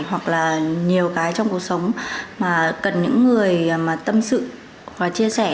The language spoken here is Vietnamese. hoặc là nhiều cái trong cuộc sống mà cần những người mà tâm sự và chia sẻ